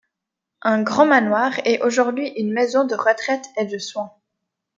Un grand manoir est aujourd'hui une maison de retraite et de soins.